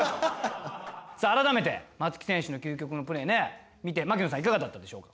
改めて松木選手の究極のプレーね見て槙野さんいかがだったでしょうか。